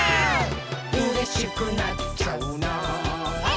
「うれしくなっちゃうなーっあっ